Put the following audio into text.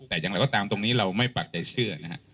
แต่อย่างไรก็ตามตรงนี้เราไม่ปักใจเชื่อนะฮะ